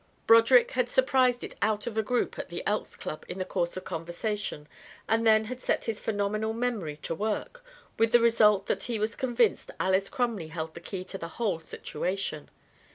Broderick had surprised it out of a group at the Elks' Club in the course of conversation and then had set his phenomenal memory to work, with the result that he was convinced Alys Crumley held the key to the whole situation.